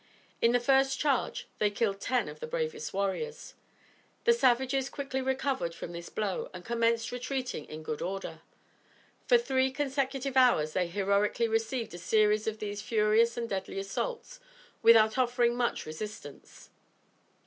In the first charge they killed ten of the bravest warriors. The savages quickly recovered from this blow and commenced retreating in good order. For three consecutive hours they heroically received a series of these furious and deadly assaults without offering much resistance.